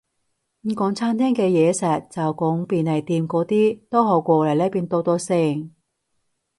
唔講餐廳嘅嘢食，就講便利店嗰啲，都好過我哋呢邊多多聲